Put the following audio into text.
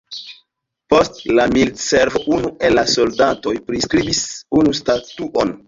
Post la militservo unu el la soldatoj priskribis unu statuon.